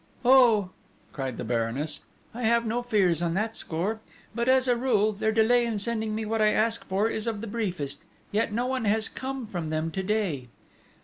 "Oh," cried the Baroness, "I have no fears on that score; but, as a rule, their delay in sending me what I ask for is of the briefest, yet no one has come from them to day."